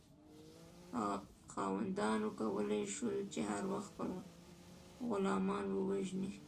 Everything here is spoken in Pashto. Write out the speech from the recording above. خاوندانو کولی شول چې هر وخت خپل غلامان ووژني.